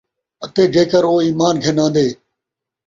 اَتے جیکر او ایمان گِھن آندے،